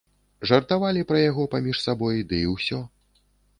Жартавалі пра яго паміж сабой, ды і ўсё.